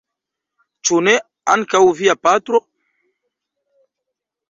Ĉu ne ankaŭ via patro?